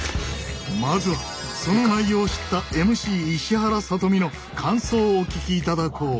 まずはその内容を知ったＭＣ石原さとみの感想をお聞きいただこう。